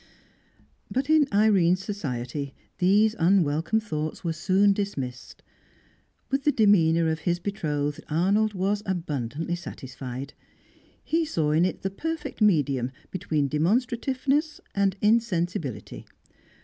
But in Irene's society these unwelcome thoughts were soon dismissed. With the demeanour of his betrothed, Arnold was abundantly satisfied; he saw in it the perfect medium between demonstrativeness and insensibility.